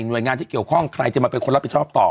โดยงานที่เกี่ยวข้องใครจะมาเป็นคนรับผิดชอบต่อ